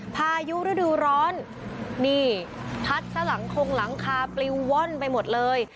พายุฤดูร้อนนี่พัดซะหลังคงหลังคาปลิวว่อนไปหมดเลย